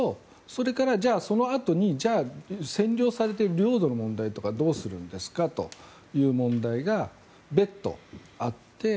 それから、そのあとに占領されている領土はどうするんですかという問題が別途あって。